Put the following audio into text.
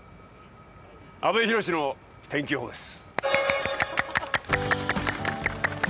阿部寛の天気予報です。